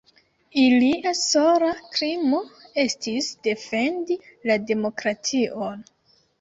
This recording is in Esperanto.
Ilia sola krimo estis defendi la demokration.